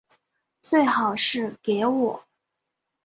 最好是给我